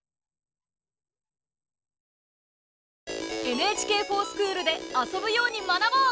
「ＮＨＫｆｏｒＳｃｈｏｏｌ」で遊ぶように学ぼう！